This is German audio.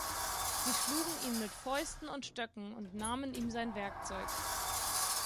Sie schlugen ihn mit Fäusten und Stöcken und nahmen ihm sein Werkzeug.